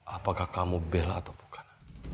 apakah kamu bela atau bukan